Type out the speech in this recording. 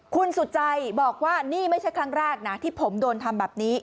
คุณสุจัยบอกว่านี่ไม่ใช่ครั้งแรกนะที่ผมโดนทำแบบนี้